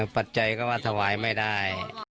ปัจจัยก็ว่าถวายไม่ได้